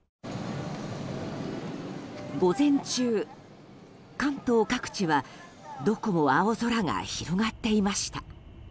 午前中、関東各地はどこも青空が広がっていました。